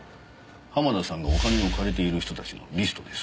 濱田さんがお金を借りている人たちのリストです。